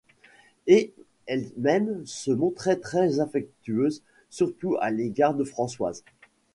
Et elle-même se montrait très affectueuse, surtout à l’égard de Françoise.